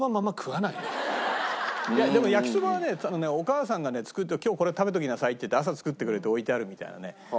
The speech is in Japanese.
いやでも焼きそばはねお母さんがね今日これ食べておきなさいっていって朝作ってくれて置いてあるみたいなね。